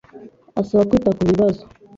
abasaba kwita ku bibazo